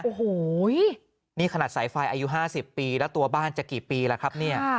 โอ้โหนี่ขนาดสายไฟอายุ๕๐ปีแล้วตัวบ้านจะกี่ปีแล้วครับเนี่ย